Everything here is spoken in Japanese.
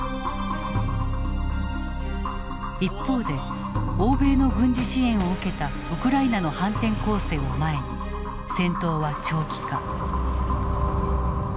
一方で欧米の軍事支援を受けたウクライナの反転攻勢を前に戦闘は長期化。